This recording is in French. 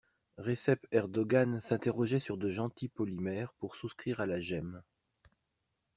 Recep Erdogan s'interrogeait sur de gentils polymères pour souscrire à la gemme.